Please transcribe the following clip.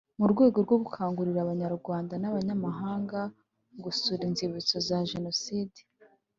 Mu rwego rwo gukangurira Abanyarwanda n Abanyamahanga gusura Inzibutso za Jenoside